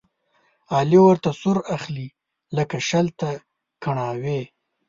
علي ورته سور اخلي، لکه شل ته کڼاوې.